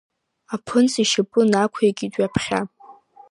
Аԥынҵа ишьапы нақәикит ҩаԥхьа.